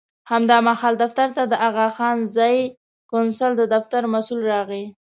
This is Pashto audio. همدا مهال دفتر ته د اغاخان ځایي کونسل د دفتر مسوول راغی.